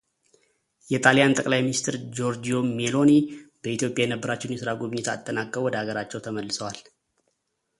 የጣሊያን ጠቅላይ ሚኒስትር ጆርጂዮ ሜሎኒ በኢትዮጵያ የነበራቸውን የሥራ ጉብኝት አጠናቅቀው ወደ ሀገራቸው ተመልሰዋል፡፡